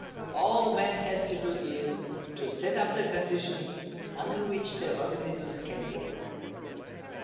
All man has to do is to set up the conditions under which the organisms can work.